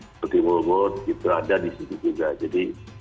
seperti mulut mulut gitu ada di sini juga jadi